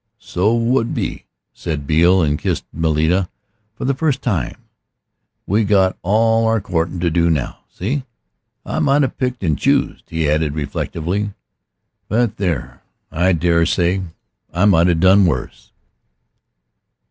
"So we be," said Beale, and kissed 'Melia for the first time. "We got all our courtin' to do now. See? I might a picked an' choosed," he added reflectively, "but there I dare say I might a done worse."